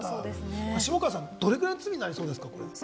下川さん、どれぐらいの罪になりそうですか？